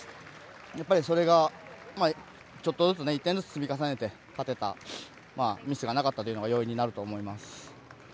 それがちょっとずつ１点ずつ積み重ねて勝てたミスがなかったというのが要因になると思います。